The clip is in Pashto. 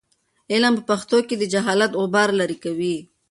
علم په پښتو کې د جهالت غبار لیرې کوي.